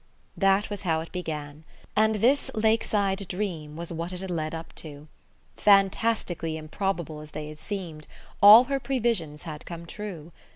That was how it began: and this lakeside dream was what it had led up to. Fantastically improbable as they had seemed, all her previsions had come true.